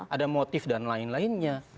ada motif dan lain lainnya